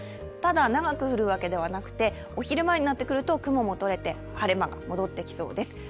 ただ長く降るわけではなくて、お昼ぐらいになってくると晴れ間が戻ってきそうです。